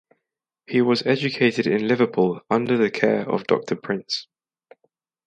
He was educated in Liverpool under the care of Dr Prince.